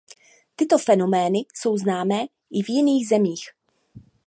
Tyto fenomény jsou známé i v jiných zemích.